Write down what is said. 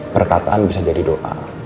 perkataan bisa jadi doa